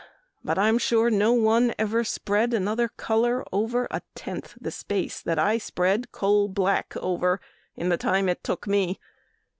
But I'm sure no one ever spread Another color over a tenth the space That I spread coal black over in the time It took me.